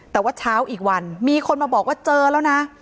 แต่ว่าเช้าอีกวันมีคนมาบอกว่าเจอแล้วนะ